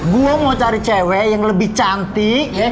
gue mau cari cewek yang lebih cantik